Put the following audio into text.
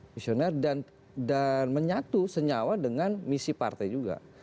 visioner dan menyatu senyawa dengan misi partai juga